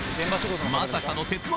まさかの『鉄腕！